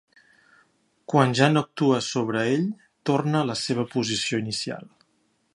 Quan ja no actua sobre ell, torna a la seva posició inicial.